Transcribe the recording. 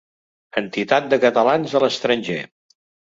Entitat de catalans a l'estranger.